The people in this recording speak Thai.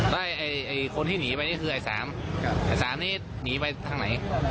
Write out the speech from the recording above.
แล้วคนที่หนีไปนี่คือไอ้๓ไอ้๓นี้หนีไปทางไหน